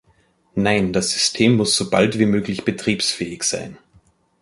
Nein, das System muss sobald wie möglich betriebsfähig sein.